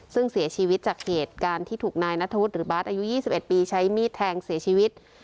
ซึ่งเสียชีวิตจากเหตุการณ์ที่ถูกนายนัทธวุฒิหรือบาทอายุ๒๑ปีใช้มีดแทงเสียชีวิต